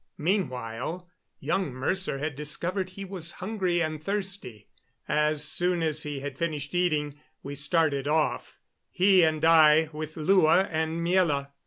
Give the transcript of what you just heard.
Meanwhile young Mercer had discovered he was hungry and thirsty. As soon as he had finished eating we started off he and I, with Lua and Miela.